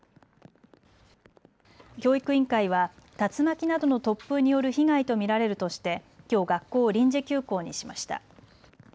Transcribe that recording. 教育委員会は竜巻などの突風による被害と見られるとしてきょう学校を臨時休校にしました。